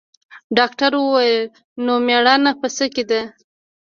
ډاکتر وويل نو مېړانه په څه کښې ده.